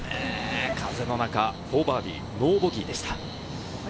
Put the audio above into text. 風の中、４バーディー、ノーボギーでした。